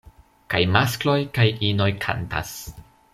Kaj maskloj kaj inoj kantas.